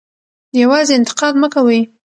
یوازې انتقاد مه کوئ.